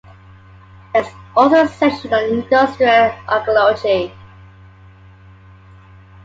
There's also a section on industrial archaeology.